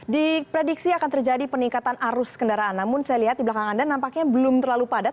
diprediksi akan terjadi peningkatan arus kendaraan namun saya lihat di belakang anda nampaknya belum terlalu padat